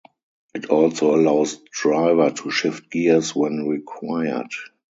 It also allows driver to shift gears when required.